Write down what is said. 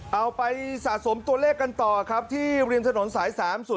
เอาไปสะสมตัวเลขกันต่อครับที่ริมถนนสาย๓๐